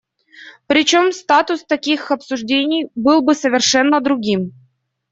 Причем статус таких обсуждений был бы совершенно другим.